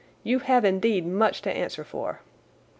You have indeed much to answer for."